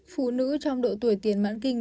phụ nữ trong độ tuổi tiền mãn kinh